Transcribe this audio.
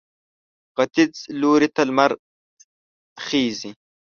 ختیځ لوري ته لمر خېژي.